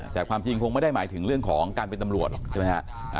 แต่ความจริงคงไม่ได้หมายถึงเรื่องของการเป็นตำรวจหรอกใช่ไหมฮะ